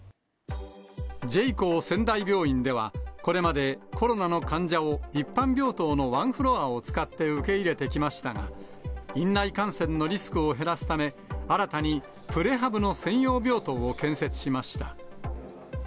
ジェイコー仙台病院では、これまでコロナの患者を一般病棟のワンフロアを使って受け入れてきましたが、院内感染のリスクを減らすため、新たにプレハブの専用病棟を建設しました。